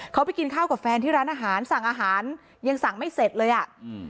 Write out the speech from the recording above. เขาไปกินข้าวกับแฟนที่ร้านอาหารสั่งอาหารยังสั่งไม่เสร็จเลยอ่ะอืม